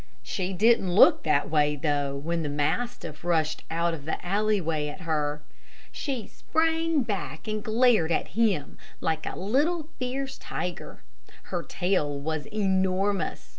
She didn't look that way, though, when the mastiff rushed out of the alleyway at her. She sprang back and glared at him like a little, fierce tiger. Her tail was enormous.